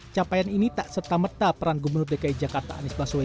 capaian ini tak serta merta peran gubernur dki jakarta anies baswedan